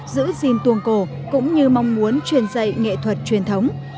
giữ gìn tuồng cổ cũng như mong muốn truyền dạy nghệ thuật truyền thống